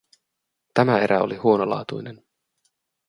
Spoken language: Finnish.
Tämä erä oli huonolaatuinen.